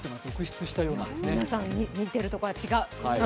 皆さん、見てるところが違う